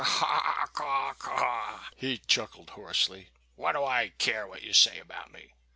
"Caw! caw! caw!" he chuckled hoarsely; "what do I care what you say about me?